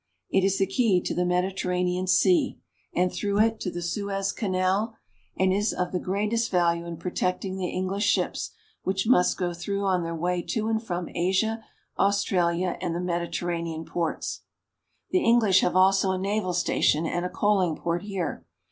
It is the key to the Mediter ranean Sea, and through it, to the Suez Canal, and is of the greatest value in protecting the English ships, which must go through on their way to and from Asia, Austra lia, and the Mediterranean ports. The English have also a naval station and a coaling port here.